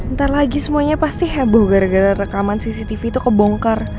ntar lagi semuanya pasti heboh gara gara rekaman cctv itu kebongkar